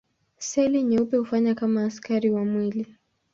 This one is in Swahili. Seli nyeupe hufanya kama askari wa mwili.